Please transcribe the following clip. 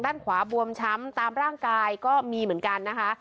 ด้านขวาบวมช้ำตามร่างกายก็มีเหมือนกันนะคะ